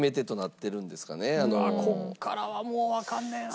ここからはもうわかんねえな。